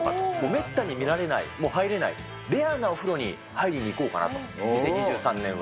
めったに見られない、入れない、レアなお風呂に入りに行こうかなと、２０２３年は。